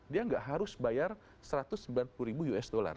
dia nggak harus bayar satu ratus sembilan puluh ribu usd